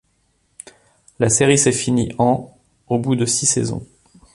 La série s'est finie en au bout de six saisons.